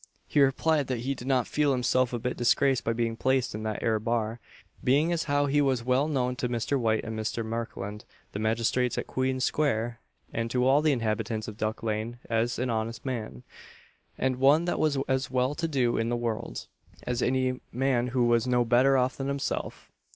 He replied that he did not feel himself a bit disgraced by being placed in that 'ere bar, being as how he was well known to Mr. White and Mr. Markland, the magistrates at Queen square, and to all the inhabitants of Duck lane, as an honest man, and one that was as well to do in the world, as any man who was no better off than himself.